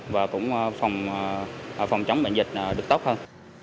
và cũng phòng chống bệnh dịch được tốt hơn